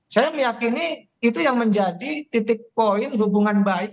saya meyakini itu yang menjadi titik poin hubungan baik